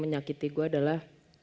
menyakiti gue adalah